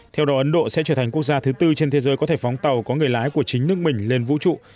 theo đó ấn độ sẽ trở thành quốc gia thứ tư trên thế giới có thể phóng tàu có người lái của chính nước mình lên vũ trụ